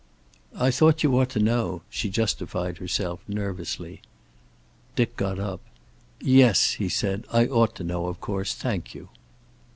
"I thought you ought to know," she justified herself, nervously. Dick got up. "Yes," he said. "I ought to know, of course. Thank you."